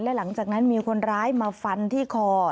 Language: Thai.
และหลังจากนั้นมีคนร้ายมาฟันที่คอ